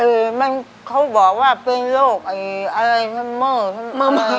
เออมันเขาบอกว่าเป็นโรคอัลไซเมอร์